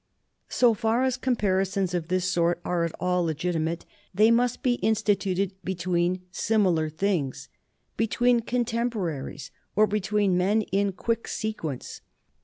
So far as comparisons of this sort are at all legitimate, they must be instituted between similar things, between contemporaries or be tween men in quick sequence.